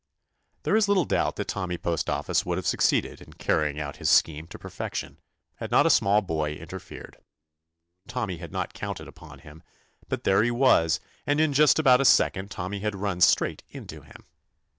There is little doubt that Tommy Postoffice would have succeeded in carrying out his scheme to perfection had not a small boy interfered. Tommy had not counted upon him, but there he was, and in just about a second Tommy had run straight into him.